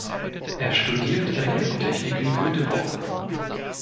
Er studiert Elektrotechnik in Göteborg.